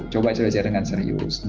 coba belajar dengan serius